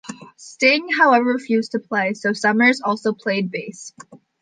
Sting, however, refused to play so Summers also played bass.